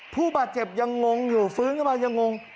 ผู้บาดเจ็บยังงงอยู่ฟื้นขึ้นมายังงง